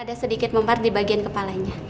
ada sedikit mempar di bagian kepalanya